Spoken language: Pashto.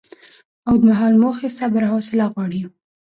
اوږدمهاله موخې صبر او حوصله غواړي.